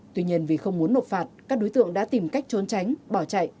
tuy nhiên vì không muốn nộp phạt các đối tượng đã tìm cách trốn tránh bỏ chạy